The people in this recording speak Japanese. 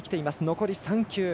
残り３球。